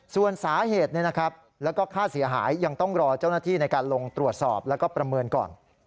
ส่วนสาเหตุแล้วก็ค่าเสียหายยังต้องรอเจ้าหน้าที่ในการลงตรวจสอบแล้วก็ประเมินก่อน